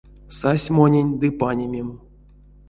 Сась монень ды панимим!